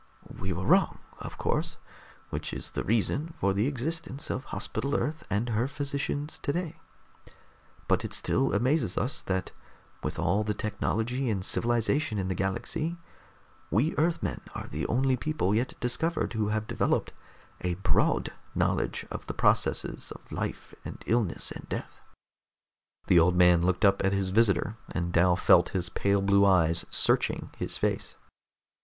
We were wrong, of course, which is the reason for the existence of Hospital Earth and her physicians today, but it still amazes us that with all the technology and civilization in the galaxy, we Earthmen are the only people yet discovered who have developed a broad knowledge of the processes of life and illness and death." The old man looked up at his visitor, and Dal felt his pale blue eyes searching his face.